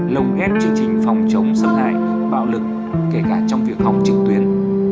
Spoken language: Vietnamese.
lồng ép chương trình phòng chống sức hại bạo lực kể cả trong việc phòng trực tuyến